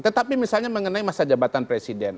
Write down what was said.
tetapi misalnya mengenai masa jabatan presiden